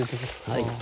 はい。